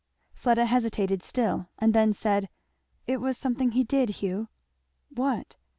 Fleda hesitated still, and then said, "It was something he did, Hugh." "What?"